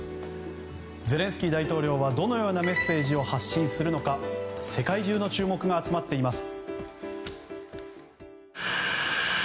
ゼレンスキー大統領はどのようなメッセージを発信するのか世界中の注目が集まっています。